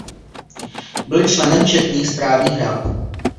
Byl členem četných správních rad.